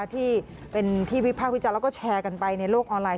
ที่วิพากษ์วิจัยแล้วก็แชร์กันไปในโลกออนไลน์